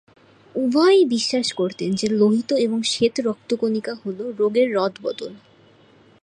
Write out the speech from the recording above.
উভয়েই বিশ্বাস করতেন যে লোহিত এবং শ্বেত রক্তকণিকা হল রোগের রদ-বদল।